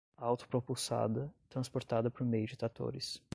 Autopropulsada, transportada por meio de tratores